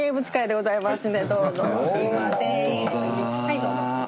はいどうぞ。